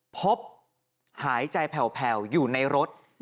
พบหายใจแผ่วอยู่ในรถ